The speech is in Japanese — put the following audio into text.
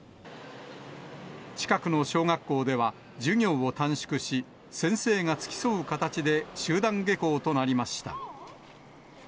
近くの小学校では、授業を短縮し、先生が付き添う形で集団下校となりました。